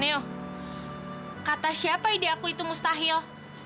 neo kata siapa ide aku itu mustahil